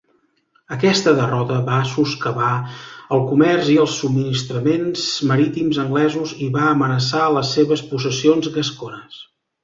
Aquesta derrota va soscavar el comerç i els subministraments marítims anglesos i va amenaçar les seves possessions gascones.